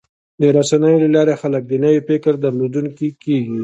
د رسنیو له لارې خلک د نوي فکر درلودونکي کېږي.